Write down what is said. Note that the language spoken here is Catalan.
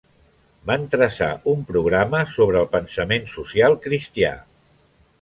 Van traçar un programa sobre el pensament social cristià.